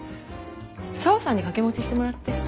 沢さんに掛け持ちしてもらって。